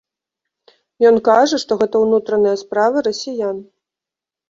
Ён кажа, што гэта ўнутраная справа расіян.